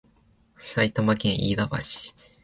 埼玉県飯田橋